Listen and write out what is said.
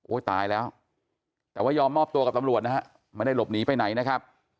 ตายแล้วแต่ว่ายอมมอบตัวกับตำรวจนะฮะไม่ได้หลบหนีไปไหนนะครับ